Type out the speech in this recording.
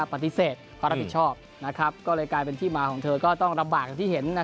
พันธิสเซทก็รับผิดชอบนะครับก็เลยกลายเป็นที่มาของเธอก็ต้องระบากที่เห็นนะ